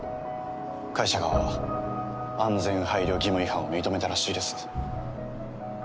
会社側は安全配慮義務違反を認めたらしいです。